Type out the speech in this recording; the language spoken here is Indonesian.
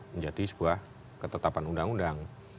menjadi sebuah ketetapan undang undang